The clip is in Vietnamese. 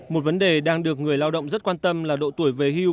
một vấn đề đang được người lao động rất quan tâm là độ tuổi về hưu